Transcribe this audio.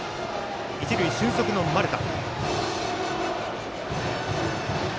一塁、俊足の丸田。